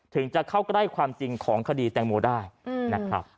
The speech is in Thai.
ถึงจะเข้าใกล้ความจริงของคดีแตงโมได้นะครับ